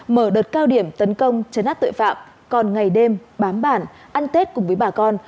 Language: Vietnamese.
mở đợt cao điểm tấn công chấn áp tội phạm còn ngày đêm bám bản ăn tết cùng với bà con